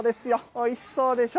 おいしそうでしょ。